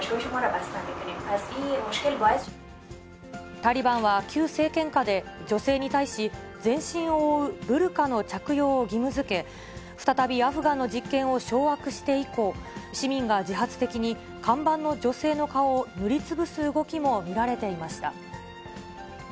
タリバンは旧政権下で、女性に対し、全身を覆うブルカの着用を義務づけ、再びアフガンの実権を掌握して以降、市民が自発的に看板の女性の顔を塗りつぶす動きも見られていました。